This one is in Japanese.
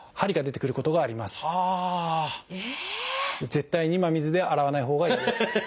絶対に真水で洗わないほうがいいです。